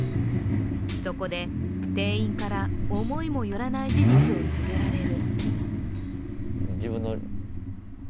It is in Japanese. そこで店員から、思いも寄らぬ事実を告げられる。